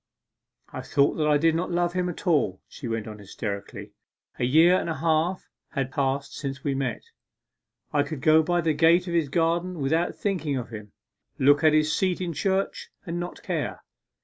'I thought that I did not love him at all,' she went on hysterically. 'A year and a half had passed since we met. I could go by the gate of his garden without thinking of him look at his seat in church and not care.